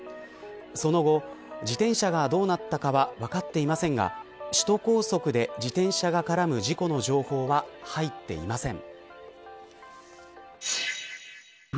その後、自転車がどうなったかは分かっていませんが首都高速で自転車が絡む事故の情報は入っていません。